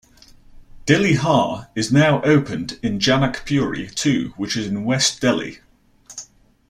Dilli Haat is now opened in Janak Puri too which is in West Delhi.